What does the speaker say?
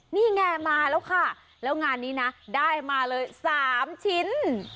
นี่ไงมาแล้วค่ะแล้วงานนี้นะได้มาเลย๓ชิ้น